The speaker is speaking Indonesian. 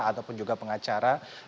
ataupun juga pengacara